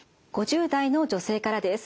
５０代の女性からです。